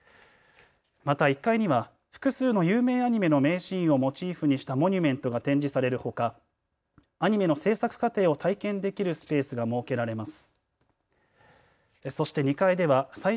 また１階には複数の有名アニメの名シーンをモチーフにしたモニュメントが展示されるほかアニメの制作過程を体験できるスペースが設けられます。